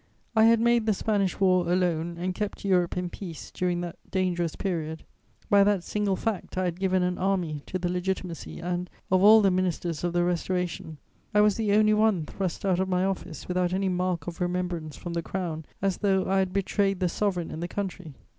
I had made the Spanish War alone and kept Europe in peace during that dangerous period; by that single fact I had given an army to the Legitimacy and, of all the ministers of the Restoration, I was the only one thrust out of my office without any mark of remembrance from the Crown, as though I had betrayed the Sovereign and the country.